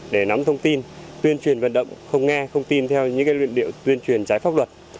để nắm thông tin tuyên truyền vận động không nghe không tin theo những luyện điệu tuyên truyền trái pháp luật